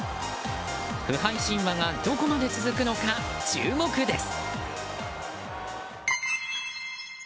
不敗神話がどこまで続くのか注目です。